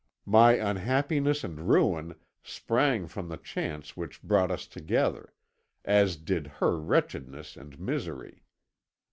My unhappiness and ruin sprang from the chance which brought us together as did her wretchedness and misery.